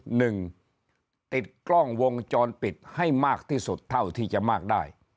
หนึ่งติดกล้องวงจรปิดให้มากที่สุดเท่าที่จะมากได้